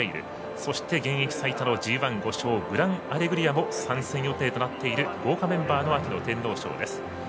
そして、現役最多のＧＩ、５勝グランアレグリアも参戦予定となっている豪華メンバーの秋の天皇賞です。